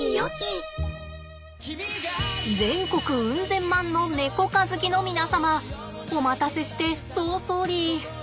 全国うん千万のネコ科好きの皆様お待たせしてソウソーリー。